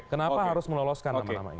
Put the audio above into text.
kenapa harus meloloskan nama namanya